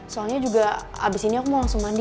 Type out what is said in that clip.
soalnya juga abis ini aku mau langsung mandi